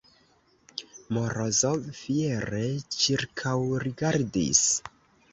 Morozov fiere ĉirkaŭrigardis.